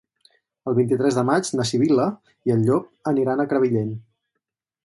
El vint-i-tres de maig na Sibil·la i en Llop aniran a Crevillent.